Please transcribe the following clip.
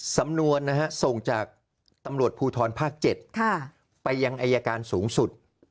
สำนวนส่งจากตำรวจภูทรภาค๗ไปยังอายการสูงสุด